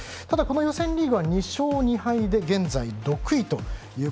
ただ、この予選リーグは２勝２敗で現在６位と。